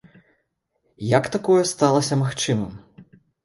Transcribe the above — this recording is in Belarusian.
Як такое сталася магчымым?